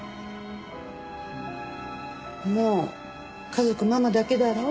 もう家族ママだけだろ？